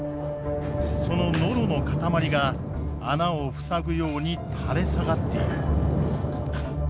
そのノロの塊が穴を塞ぐように垂れ下がっている。